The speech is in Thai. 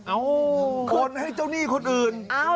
เอาคนให้เจ้าหนี้คนอื่น